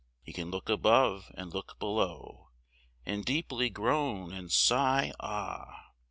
He can look above, and look below, And deeply groan, and sigh, ah!